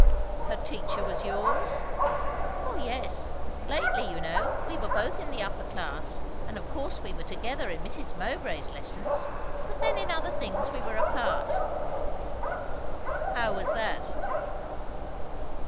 "Her teacher was yours?" "O yes. Lately, you know, we were both in the upper class; and of course we were together in Mrs. Mowbray's lessons; but then in other things we were apart." "How was that?"